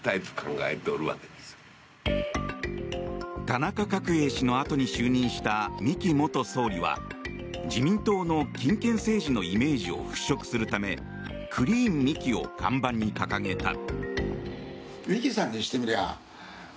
田中角栄氏のあとに就任した三木元総理は自民党の金権政治のイメージを払拭するためクリーン三木を看板に掲げた。